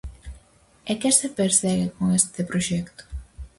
E que se persegue con este proxecto?